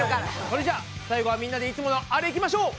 それじゃあ最後はみんなでいつものあれいきましょう！